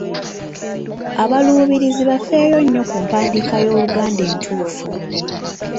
Abaluubirizi bafeeyo nnyo ku mpandiika y’Oluganda entuufu.